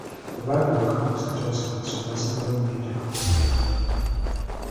Bwe baatuuka mu State House e Nakasero baasangayo Meeja Kakooza Mutale.